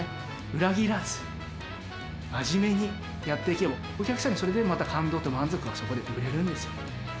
裏切らず、まじめにやっていけば、お客さんにそれでまた感動と満足がそこで売れるんですよ。